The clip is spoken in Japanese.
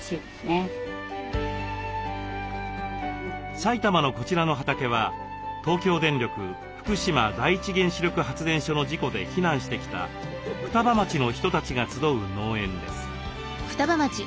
埼玉のこちらの畑は東京電力福島第一原子力発電所の事故で避難してきた双葉町の人たちが集う農園です。